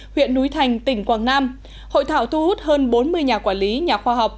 huyện núi thành tỉnh quảng nam hội thảo thu hút hơn bốn mươi nhà quản lý nhà khoa học